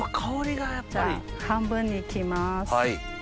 じゃあ半分に切ります。